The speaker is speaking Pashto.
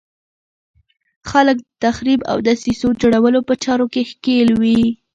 خلک د تخریب او دسیسو جوړولو په چارو کې ښکېل وي.